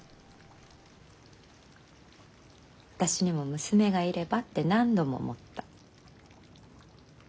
私にも娘がいればって何度も思った。